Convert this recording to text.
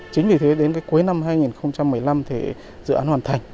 chính vì thế đến cuối năm hai nghìn một mươi năm thì dự án hoàn thành